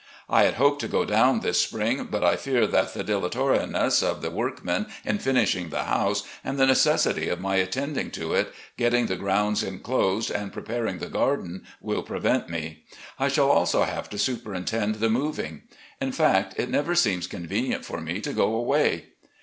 I had hoped to go down this spring, but I fear the dilatoriness of the workmen in finishing the house, and the necessity of my attending to it, getting the grounds inclosed and preparing the garden, will prevent me. I shall also have to superintend the moving. In fact, it never seems convenient for me to go away.